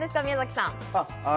宮崎さん。